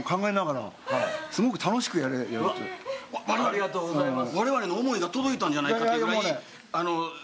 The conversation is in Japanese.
ありがとうございます。